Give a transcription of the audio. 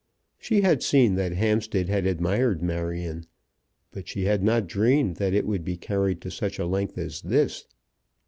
She had seen that Hampstead had admired Marion, but she had not dreamed that it would be carried to such a length as this.